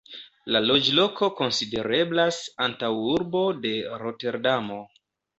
La loĝloko konsidereblas antaŭurbo de Roterdamo.